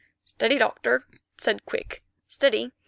"Steady, Doctor," said Quick, "steady.